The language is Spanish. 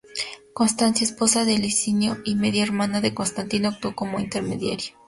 Constancia, esposa de Licinio y media hermana de Constantino, actuó como intermediaria.